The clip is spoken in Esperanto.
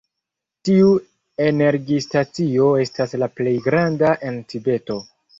Tiu energistacio estas la plej granda en Tibeto.